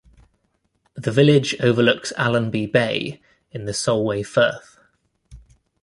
The village overlooks Allonby Bay in the Solway Firth.